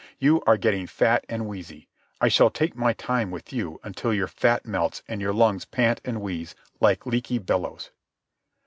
You are getting fat and wheezy. I shall take my time with you until your fat melts and your lungs pant and wheeze like leaky bellows.